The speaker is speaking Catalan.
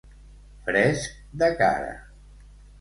Fresc de cara.